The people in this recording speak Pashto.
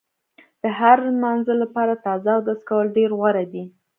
د هر مانځه لپاره تازه اودس کول ډېر غوره دي.